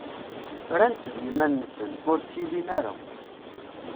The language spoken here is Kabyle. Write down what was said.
Fran-tt d yiman-nsen, ur ttilin ara.